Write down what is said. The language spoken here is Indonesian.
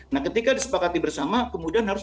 nah ketika disepakati bersama kemudian harus